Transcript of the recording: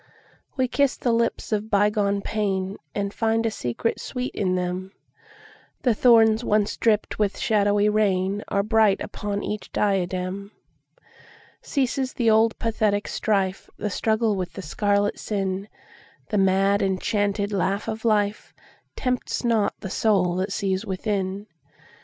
We kiss the lips of bygone painAnd find a secret sweet in them:The thorns once dripped with shadowy rainAre bright upon each diadem. Ceases the old pathetic strife, The struggle with the scarlet sin:The mad enchanted laugh of lifeTempts not the soul that sees within.